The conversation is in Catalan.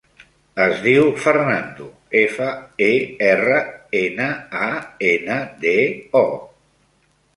Es diu Fernando: efa, e, erra, ena, a, ena, de, o.